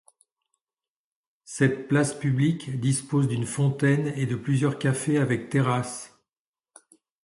Cette place publique dispose d'une fontaine et de plusieurs cafés avec terrasse.